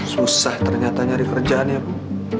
susah ternyata nyari kerjaannya bu